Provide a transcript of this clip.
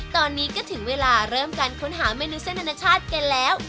ตอนนี้ก็ถึงเวลาเริ่มการค้นหาเมนูเส้นอนาชาติกันแล้ว